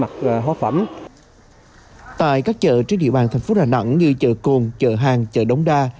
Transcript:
tại các chợ trên địa bàn thành phố đà nẵng như chợ cồn chợ đống đa